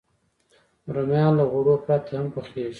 رومیان له غوړو پرته هم پخېږي